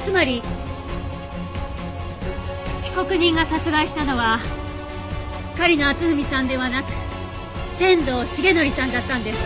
つまり被告人が殺害したのは狩野篤文さんではなく仙道重則さんだったんです。